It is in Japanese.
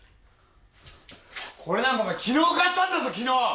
これなんかお前昨日買ったんだぞ昨日！